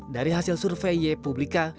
dari hasil survei ypublika